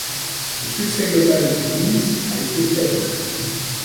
Le succès global du Linse a été faible.